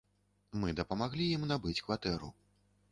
Мы дапамаглі ім набыць кватэру.